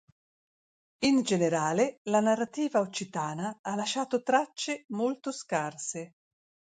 In generale, la narrativa occitana ha lasciato tracce molto scarse.